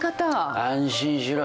安心しろ。